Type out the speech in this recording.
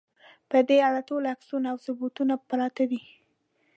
په دې اړه ټول عکسونه او ثبوتونه پراته دي.